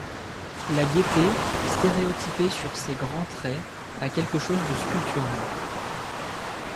La gaieté, stéréotypée sur ces grands traits, a quelque chose de sculptural.